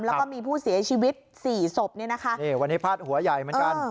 แล้วก็มีผู้เสียชีวิตสี่ศพเนี่ยนะคะนี่วันนี้พาดหัวใหญ่เหมือนกัน